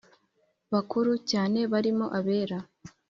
bakuru cyane barimo abera